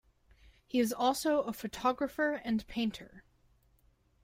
He is also a photographer and painter.